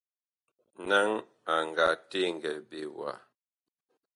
Naŋ a nga teŋgɛɛ ɓe wa ?